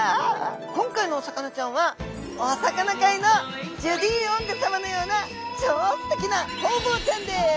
今回のお魚ちゃんはおサカナ界のジュディ・オングさまのような超すてきなホウボウちゃんです。